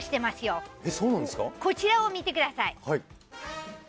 こちらを見てください。